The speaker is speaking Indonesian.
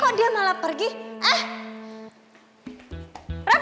kok dia malah pergi ah